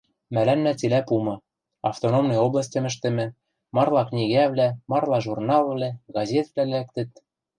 Мӓлӓннӓ цилӓ пумы, автономный областьым ӹштӹмӹ, марла книгӓвлӓ, марла журналвлӓ, газетвлӓ лӓктыт.